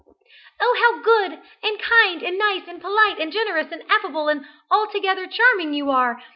"Oh, how good, and kind, and nice, and polite, and generous, and affable, and altogether charming you are!